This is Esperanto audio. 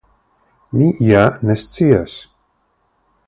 Mi ja ne scias.